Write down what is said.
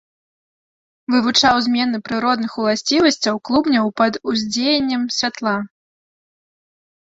Вывучаў змены прыродных уласцівасцяў клубняў пад уздзеяннем святла.